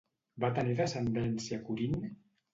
Va tenir descendència Corint?